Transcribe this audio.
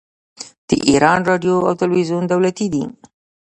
د ایران راډیو او تلویزیون دولتي دي.